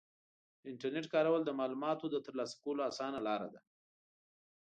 د انټرنیټ کارول د معلوماتو د ترلاسه کولو اسانه لاره ده.